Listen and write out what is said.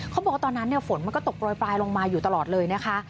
เขาบอกว่าตอนนั้นฝนมันก็ตกโรยปลายลงมาอยู่ตลอดเลยนะคะ